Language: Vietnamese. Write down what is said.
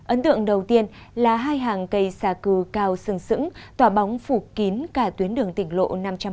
ấn tượng đầu tiên là hai hàng cây xà cư cao sừng sững tỏa bóng phủ kín cả tuyến đường tỉnh lộ năm trăm bốn mươi